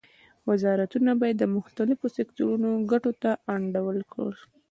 وزارتونه باید د مختلفو سکتورونو ګټو ته انډول ورکړي